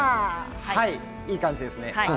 いい感じですね。